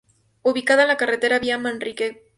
Ubicada en la Carrera vía Manrique, Km.